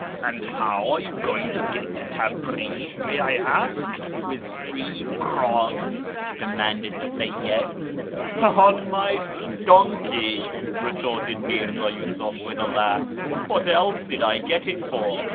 " And how are you going to get to Tabriz, may I ask, with three hrctns ?" demanded the Seyyid. " On my donkey," retorted Mirza Yiisuf with a laugh ;" what else did I get it for